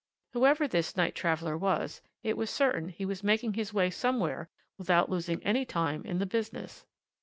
Whoever this night traveller was, it was certain he was making his way somewhere without losing any time in the business.